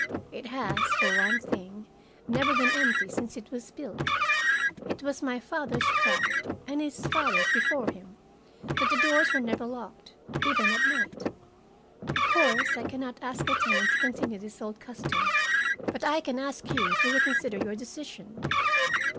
It has, for one thing, never been empty since it was built. It was my father's pride, and his father's before him, that the doors were never locked, even at night. Of course I can not ask a tenant to continue this old custom, but I can ask you to reconsider your decision.